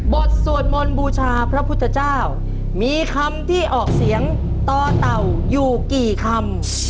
สวดมนต์บูชาพระพุทธเจ้ามีคำที่ออกเสียงต่อเต่าอยู่กี่คำ